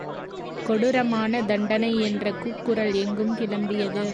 கொடுரமான தண்டனை என்ற கூக்குரல் எங்கும் கிளம்பியது.